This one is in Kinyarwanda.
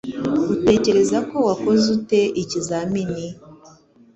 Utekereza ko wakoze ute ikizamini?